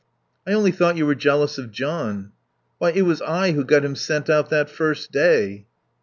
"I only thought you were jealous of John." "Why, it was I who got him sent out that first day."